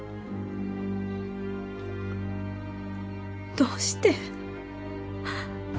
どうして？